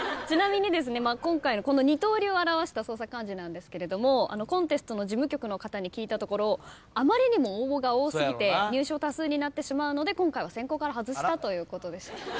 ちなみに今回のこの二刀流を表した創作漢字なんですがコンテストの事務局の方に聞いたところあまりにも応募が多過ぎて入賞多数になってしまうので今回は選考から外したということでした。